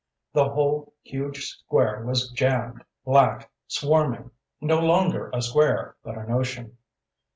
The whole huge square was jammed, black, swarming; no longer a square, but an ocean.